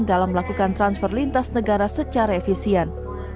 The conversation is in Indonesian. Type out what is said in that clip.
dalam melakukan transfer lintas negara secara efisien